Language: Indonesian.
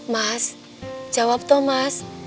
mas jawab tomas